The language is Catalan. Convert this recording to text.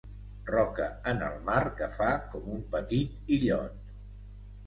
Roca en el mar que fa com un petit illot.